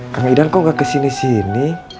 kang idan kok nggak kesini sini